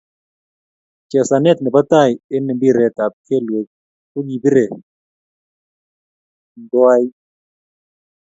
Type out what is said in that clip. Chesanet nebo tai eng mbiret ab kelwek kokipire tunkoain.